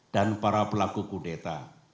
dan para pelaku kudeta